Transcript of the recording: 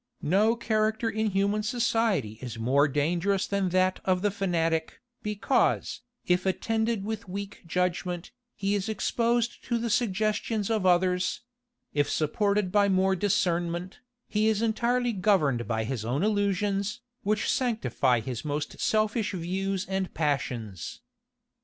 No character in human society is more dangerous than that of the fanatic; because, if attended with weak judgment, he is exposed to the suggestions of others; if supported by more discernment, he is entirely governed by his own illusions, which sanctify his most selfish views and passions.